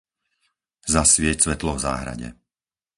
Zasvieť svetlo v záhrade.